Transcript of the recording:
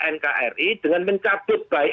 nkri dengan mencabut baik